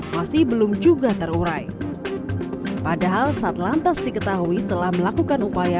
masih belum juga terurai padahal satlantas diketahui telah melakukan upaya